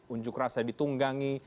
unjuk rasa ditunggangi